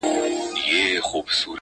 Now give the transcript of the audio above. • د خپل بېچاره قام -